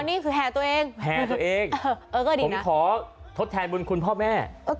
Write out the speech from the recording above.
นี่คือแห่ตัวเองแห่ตัวเองผมขอทดแทนบุญคุณพ่อแม่